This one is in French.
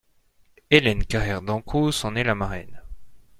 Hélène Carrère d'Encausse en est la marraine.